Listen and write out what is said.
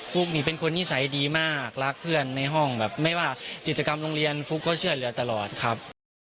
ุ๊กนี่เป็นคนนิสัยดีมากรักเพื่อนในห้องแบบไม่ว่ากิจกรรมโรงเรียนฟุ๊กก็ช่วยเหลือตลอดครับ